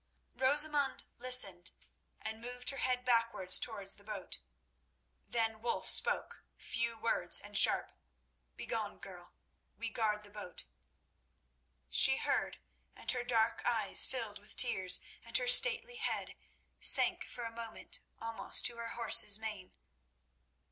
Rosamund listened and moved her head backwards towards the boat. Then Wulf spoke—few words and sharp: "Begone, girl! we guard the boat." She heard, and her dark eyes filled with tears, and her stately head sank for a moment almost to her horse's mane.